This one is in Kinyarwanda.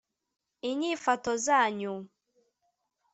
inyifato zanyu